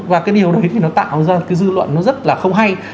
và cái điều đấy thì nó tạo ra cái dư luận nó rất là không hay